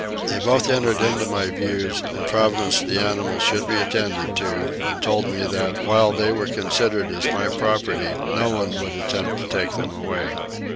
They both entered into my views and promised the animals should be attended to, and told me that, while they were considered as my property, no one would attempt to take them away.